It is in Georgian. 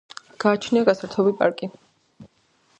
გააჩნია გასართობი პარკი.